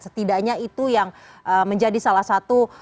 setidaknya itu yang menjadi salah satu